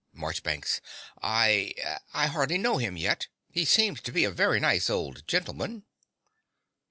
MARCHBANKS. I I hardly know him yet. He seems to be a very nice old gentleman.